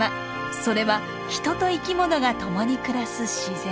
それは人と生き物がともに暮らす自然。